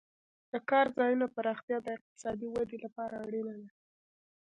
د کار ځایونو پراختیا د اقتصادي ودې لپاره اړینه ده.